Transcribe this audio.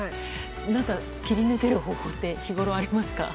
何か切り抜ける方法って日ごろ、ありますか？